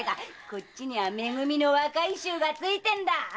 こっちにはめ組の若い衆がついてるんだ！